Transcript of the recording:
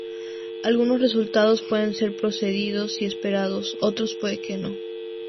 Algunos resultados pueden ser precedidos y esperados, otros puede que no.